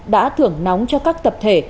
đã thưởng nóng cho các tập thể